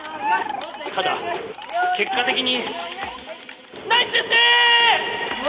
ただ結果的にナイスですね！！